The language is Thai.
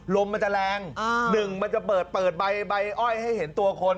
ลมมันจะแรง๑มันจะเปิดใบอ้อยให้เห็นตัวคน